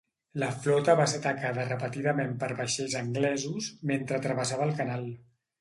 La flota va ser atacada repetidament per vaixells anglesos mentre travessava el canal.